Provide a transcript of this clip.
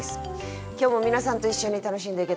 今日も皆さんと一緒に楽しんでいけたらと思っております。